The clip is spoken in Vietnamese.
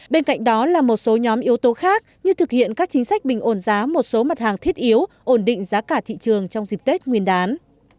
bên cạnh đó là một số nhóm yếu tố khác như thực hiện các chính sách bình ổn giá một số mặt hàng thiết yếu ổn định giá cả thị trường trong dịp tết nguyên đán